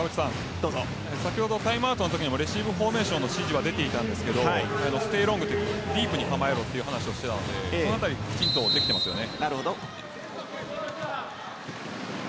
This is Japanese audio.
先ほど、タイムアウトのときにレシーブフォーメーションの指示は出ていたんですがディープに構えろという指示をしていたのでそのあたりがきちんとできていますよね。